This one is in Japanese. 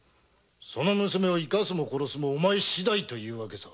その娘を生かすも殺すもお前次第という訳さ。